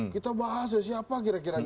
kita bahas ya siapa kira kira